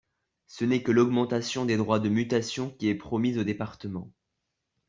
Ce n’est que l’augmentation des droits de mutation qui est promise aux départements.